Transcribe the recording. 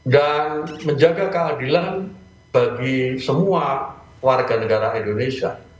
dan menjaga keadilan bagi semua warga negara indonesia